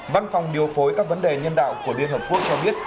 văn phòng điều phối các vấn đề nhân đạo của liên hợp quốc cho biết